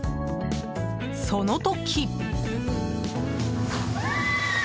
その時。